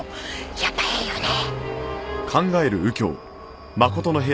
やっぱ変よね。